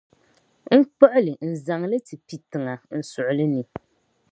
n kpuɣ’ li n-zaŋ li ti pi tiŋa n suɣili ni.